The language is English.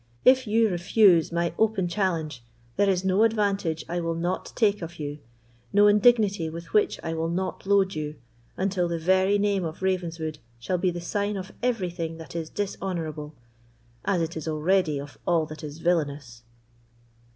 If you refuse my open challenge, there is no advantage I will not take of you, no indignity with which I will not load you, until the very name of Ravenswood shall be the sign of everything that is dishonourable, as it is already of all that is villainous."